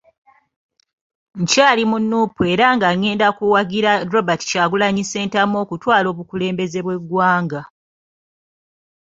Nkyali mu Nuupu era nga ngenda kuwagira Robert Kyagulanyi Ssentamu okutwala obukulembeze bw'eggwanga.